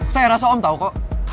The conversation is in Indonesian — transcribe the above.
saya rasa om tau kok